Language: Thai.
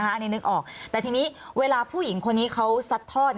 อันนี้นึกออกแต่ทีนี้เวลาผู้หญิงคนนี้เขาซัดทอด